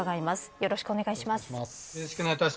よろしくお願いします。